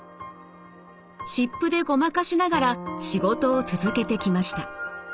湿布でごまかしながら仕事を続けてきました。